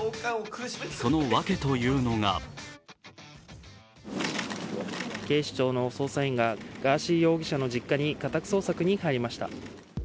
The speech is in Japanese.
そのワケというのが警視庁の捜査員がガーシー容疑者の実家に家宅捜索に入りました。